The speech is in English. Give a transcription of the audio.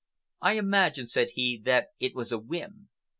"I imagine," said he, "that it was a whim.